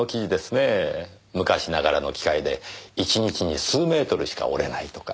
昔ながらの機械で一日に数メートルしか織れないとか。